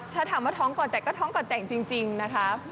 ถ้าถามว่าท้องก่อนแต่งก็ท้องก่อนแต่งจริงนะคะ